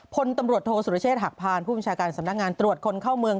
พลตำรวจโทษสุรเชษฐหักพานผู้บัญชาการสำนักงานตรวจคนเข้าเมือง